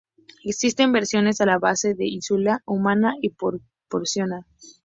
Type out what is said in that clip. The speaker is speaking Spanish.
Existen versiones a base de insulina humana y porcina.